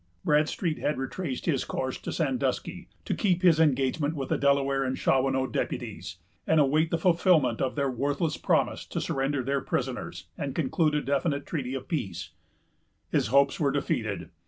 Bradstreet had retraced his course to Sandusky, to keep his engagement with the Delaware and Shawanoe deputies, and await the fulfilment of their worthless promise to surrender their prisoners, and conclude a definitive treaty of peace. His hopes were defeated.